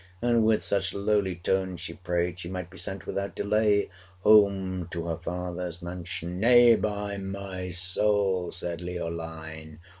And with such lowly tones she prayed 480 She might be sent without delay Home to her father's mansion. 'Nay! Nay, by my soul!' said Leoline.